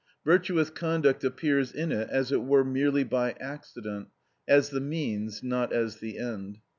Virtuous conduct appears in it as it were merely by accident, as the means, not as the end.